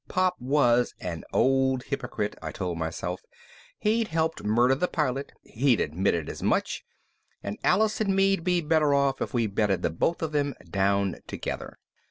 Pop was, an old hypocrite, I told myself he'd helped murder the Pilot, he'd admitted as much and Alice and me'd be better off if we bedded the both of them down together.